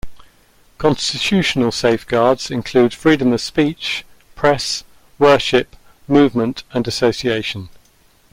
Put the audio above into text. Constitutional safeguards include freedom of speech, press, worship, movement, and association.